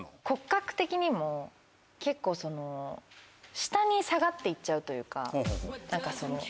骨格的にも結構下に下がって行っちゃうというか。